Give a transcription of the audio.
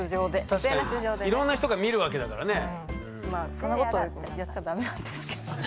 そんなことやっちゃダメなんですけど。